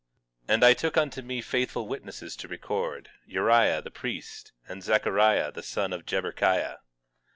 18:2 And I took unto me faithful witnesses to record, Uriah the priest, and Zechariah the son of Jeberechiah.